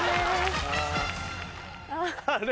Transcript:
あれ？